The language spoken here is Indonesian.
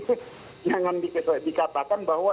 jangan dikatakan bahwa